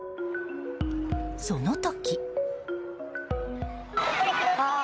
その時。